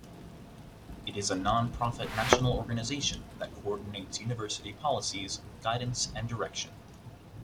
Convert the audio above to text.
It is a non profit national organization that coordinates university policies, guidance and direction.